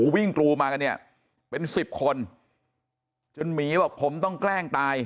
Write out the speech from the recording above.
วิ่งกรูมากันเนี่ยเป็นสิบคนจนหมีบอกผมต้องแกล้งตาย